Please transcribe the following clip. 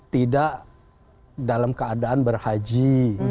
tidak dalam keadaan berhaji